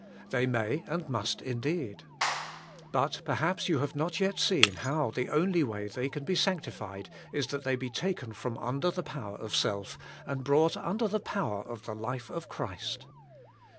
They may and must indeed. But perhaps you have not yet seen how the only way they can be sanctified is that they be taken from under the power of self, and brought under the power of the life of Christ.